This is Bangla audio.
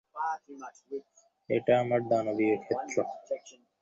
এটা আমার দানবীয় ক্ষেত্র।